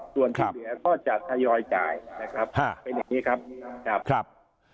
ส่วนที่เหลือก็จะทยอยจ่ายนะครับเป็นอย่างนี้ครับ